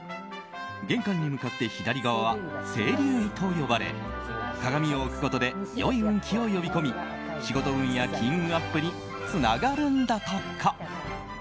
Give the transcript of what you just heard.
玄関に向かって左側は青龍位と呼ばれ鏡を置くことで良い運気を呼び込み仕事運や金運アップにつながるんだとか。